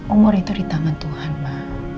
umur itu di tangan tuhan mbak